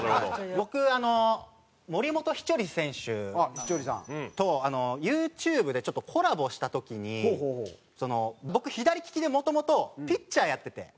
僕あの森本稀哲選手とＹｏｕＴｕｂｅでちょっとコラボした時に僕左利きでもともとピッチャーやってて。